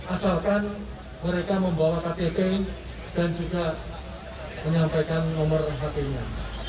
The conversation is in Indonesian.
asalkan mereka membawa ktp dan juga menyampaikan nomor hp nya